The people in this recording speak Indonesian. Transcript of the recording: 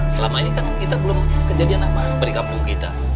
selama ini kan kita belum kejadian apa apa di kampung kita